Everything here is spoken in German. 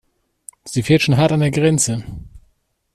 Sie fährt schon hart an der Grenze.